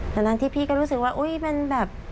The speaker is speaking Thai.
ดังนั้นที่พี่ก็รู้สึกว่าอุ๊ยมันแบบ